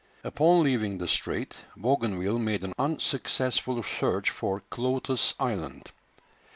Upon leaving the strait, Bougainville made an unsuccessful search for Cloates Island.